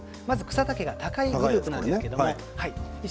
草丈が高いグループです。